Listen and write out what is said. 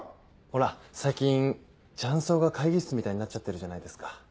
ほら最近雀荘が会議室みたいになっちゃってるじゃないですか。